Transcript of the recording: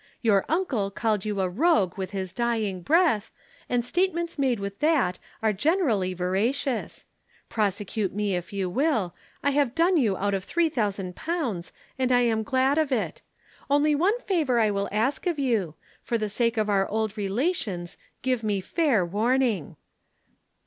Your uncle called you a rogue with his dying breath, and statements made with that are generally veracious. Prosecute me if you will I have done you out of three thousand pounds and I am glad of it. Only one favor I will ask of you for the sake of our old relations, give me fair warning!'